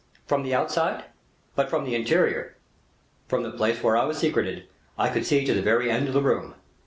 "From the outside, but from the interior?" "From the place where I was secreted, I could see to the very end of the room."